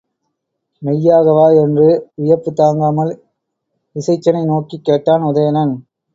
மெய்யாகவா? என்று வியப்புத்தாங்காமல் இசைச்சனை நோக்கிக் கேட்டான் உதயணன்.